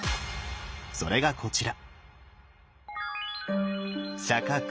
それがこちら。